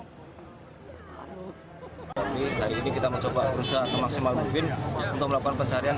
hari ini kita mencoba berusaha semaksimal mungkin untuk melakukan pencarian